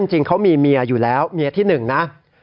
จริงเขามีเมียอยู่แล้วเมียที่หนึ่งนะ